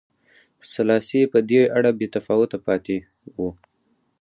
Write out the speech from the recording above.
سلاسي په دې اړه بې تفاوته پاتې و.